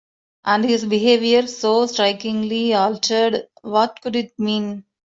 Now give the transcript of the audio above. And his behaviour, so strikingly altered — what could it mean?